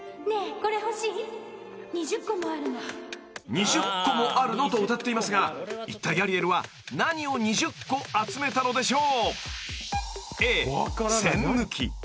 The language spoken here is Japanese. ［「２０個もあるの」と歌っていますがいったいアリエルは何を２０個集めたのでしょう？］